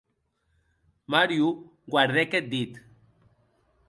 Mario guardèc eth dit.